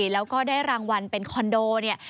แล้วก็ได้รางวัลเป็นคอนโดเนี่ย